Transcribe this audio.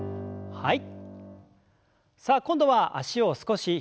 はい。